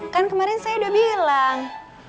kan kemarin saya udah bilang